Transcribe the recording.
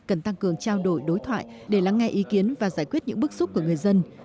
cần tăng cường trao đổi đối thoại để lắng nghe ý kiến và giải quyết những bức xúc của người dân